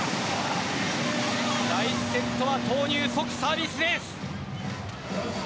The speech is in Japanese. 第１セットは投入即サービスエース。